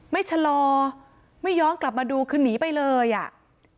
ไม่ชะลอไม่ย้อนกลับมาดูคือหนีไปเลยอ่ะ